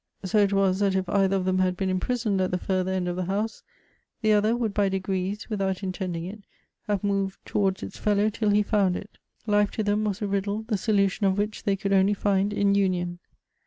So it was that if either of them had been imprisoned at the further end of the house, the other would by degrees, without intending it, have moved towards its fellow till it found it; life to them was a riddle the solution of which they could only find in union.